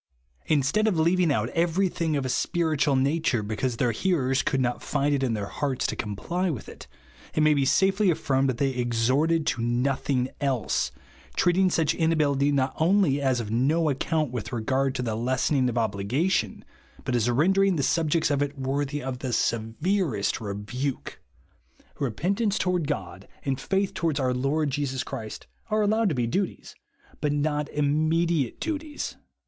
Instead of leaving out every thing of a spiritual nature, because their hearers could not find in their hearts to comply with it, it may be safely affirmed that they exhorted to nothing else, treat ing such inability not only as of no ac count with regard to the lessening of obli gation, but as rendering the subjects of it worthy of the severest rebuke Repentance toward God, and faith towards our Lord Jesus Christ, are allowed to be duties, but not ii7iw.ecliate duties.